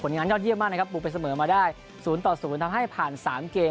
ผลงานยอดเยี่ยมมากนะครับบุกไปเสมอมาได้ศูนย์ต่อศูนย์ทำให้ผ่านสามเกม